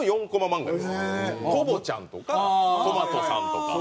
『コボちゃん』とか『トマトさん』とか。